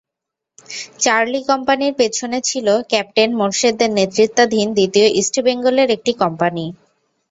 Charlie কোম্পানির পেছনে ছিল ক্যাপ্টেন মোরশেদের নেতৃত্বাধীন দ্বিতীয় ইস্ট বেঙ্গলের একটি কোম্পানি।